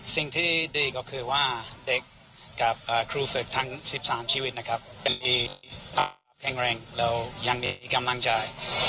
สิ่งที่ดีก็คือว่าเด็กกับครูฝึกทั้ง๑๓ชีวิตนะครับเป็นตาแข็งแรงเรายังมีกำลังใจ